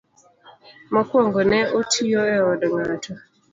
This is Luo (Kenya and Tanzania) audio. Mokwongo ne otiyo e od ng'ato.